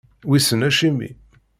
Wissen acimi.